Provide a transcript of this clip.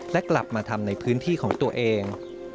และกลับมาทำในพื้นที่ของตัวเอง